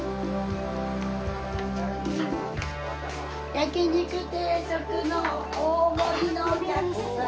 焼肉定食の大盛りのお客様。